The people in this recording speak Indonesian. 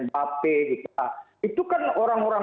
mbappe itu kan orang orang